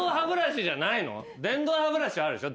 電動歯ブラシはあるでしょ？